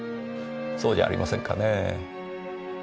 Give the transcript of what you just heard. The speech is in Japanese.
そうじゃありませんかねぇ。